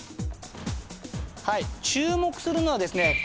はい注目するのはですね